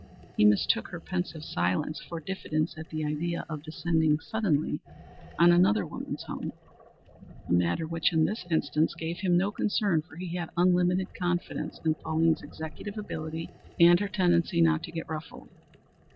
He mistook her pensive silence for diffidence at the idea of descending suddenly on another woman's home a matter which in this instance gave him no concern, for he had unlimited confidence in Pauline's executive ability and her tendency not to get ruffled.